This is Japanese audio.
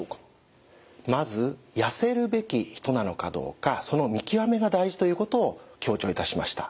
まずやせるべき人なのかどうかその見極めが大事ということを強調いたしました。